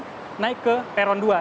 naik ke peron dua